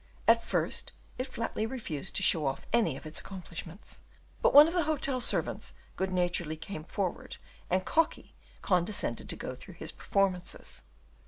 At first it flatly refused to show off any of its accomplishments, but one of the hotel servants good naturedly came forward, and Cocky condescended to go through his performances.